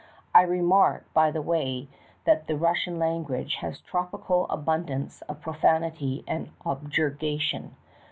I remark by the way that the Russian language has a tropical abundance of profanity and objurgation.